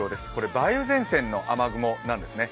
梅雨前線の雨雲なんですね。